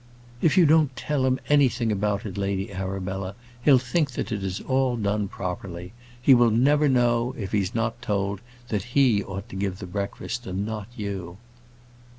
"If you don't tell him anything about it, Lady Arabella, he'll think that it is all done properly. He will never know, if he's not told, that he ought to give the breakfast, and not you."